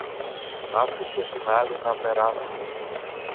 άφησε την άλλη να περάσει